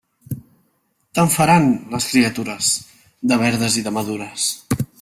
Te'n faran, les criatures, de verdes i de madures.